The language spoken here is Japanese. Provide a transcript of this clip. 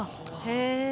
へえ。